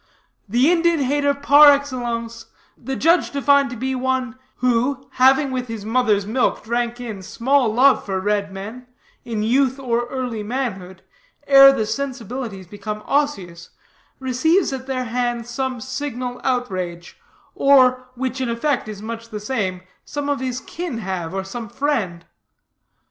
"The Indian hater par excellence the judge defined to be one 'who, having with his mother's milk drank in small love for red men, in youth or early manhood, ere the sensibilities become osseous, receives at their hand some signal outrage, or, which in effect is much the same, some of his kin have, or some friend.